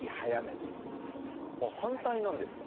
反対なんですか？